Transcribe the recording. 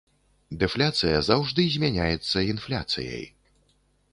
Дэфляцыя заўжды змяняецца інфляцыяй.